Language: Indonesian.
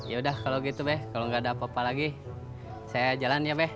yaudah kalau gitu be kalau gak ada apa apa lagi saya jalan ya be